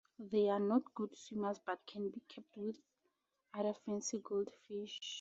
They are not good swimmers but can be kept with other fancy goldfish.